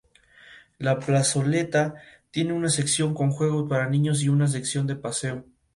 La plazoleta tiene una sección con juegos para niños y una sección de paseo.